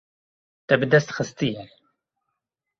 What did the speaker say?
Te bi dest xistiye.